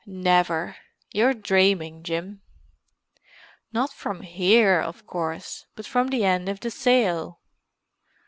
"Never! You're dreaming, Jim." "Not from here, of course," Jim said. "But from the end of the sail."